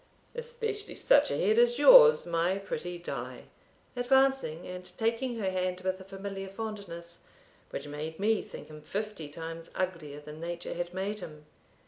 "Especially such a head as yours, my pretty Die," advancing and taking her hand with a familiar fondness, which made me think him fifty times uglier than nature had made him.